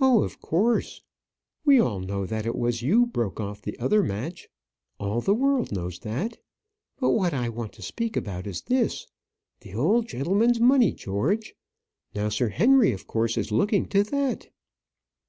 "Oh, of course we all know that it was you broke off the other match; all the world knows that. But what I want to speak about is this. The old gentleman's money, George! Now Sir Henry of course is looking to that."